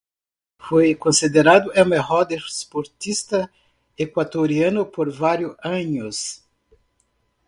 Fue considerado el mejor deportista ecuatoriano por varios años.